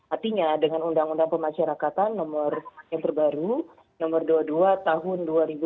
artinya dengan undang undang pemasyarakatan nomor yang terbaru nomor dua puluh dua tahun dua ribu dua puluh